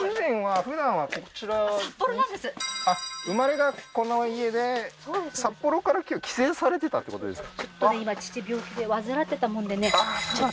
あっ生まれがこの家で札幌から今日帰省されてたってことですか？